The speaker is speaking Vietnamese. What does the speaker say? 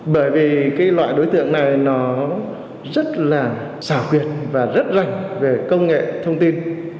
bởi vì cái loại đối tượng này nó rất là xảo quyệt và rất rảnh về công nghệ thông tin